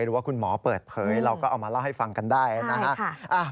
หรือว่าคุณหมอเปิดเผยเราก็เอามาเล่าให้ฟังกันได้นะฮะ